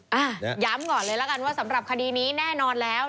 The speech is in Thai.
ย้ำก่อนเลยละกันว่าสำหรับคดีนี้แน่นอนแล้ว